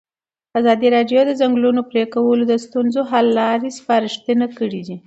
ازادي راډیو د د ځنګلونو پرېکول د ستونزو حل لارې سپارښتنې کړي.